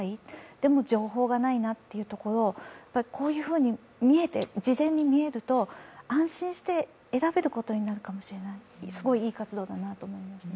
でも、情報がないなというところをこういうふうに事前に見えると安心して選べることになるかもしれない、すごいいい活動だなと思いますね。